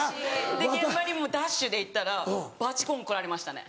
現場にダッシュで行ったらバチコン怒られましたね。